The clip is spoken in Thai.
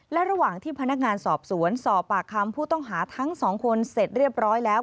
และระหว่างที่พนักงานสอบสวนสอบปากคำผู้ต้องหาทั้งสองคนเสร็จเรียบร้อยแล้ว